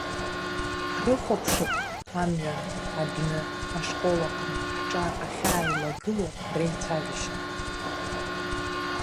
Ҳрыхәаԥшып амҩан, адәны, ашкол аҟны ҳҿар ахьааилагыло реицәажәашьа.